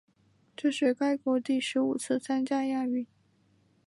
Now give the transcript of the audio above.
这是该国第十五次参加亚运。